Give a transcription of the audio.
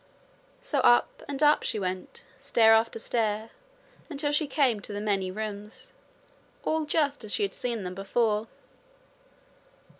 So up and up she went, stair after stair, until she Came to the many rooms all just as she had seen them before.